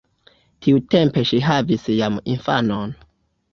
Tiutempe ŝi havis jam infanon.